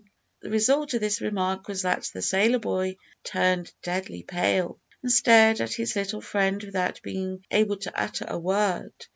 The result of this remark was that the sailor boy turned deadly pale, and stared at his little friend without being able to utter a word.